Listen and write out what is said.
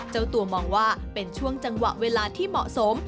เจ้าตัวมองว่าเป็นช่วงจังหวะเวลาที่เหมาะสม